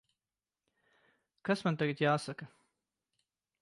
Kas man tagad jāsaka?